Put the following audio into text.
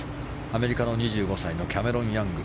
アメリカの２５歳のキャメロン・ヤング８